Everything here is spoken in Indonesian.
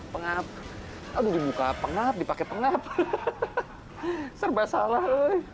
pengap aduh dibuka pengap dipakai pengap serba salah